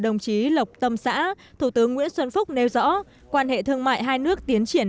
đồng chí lộc tâm xã thủ tướng nguyễn xuân phúc nêu rõ quan hệ thương mại hai nước tiến triển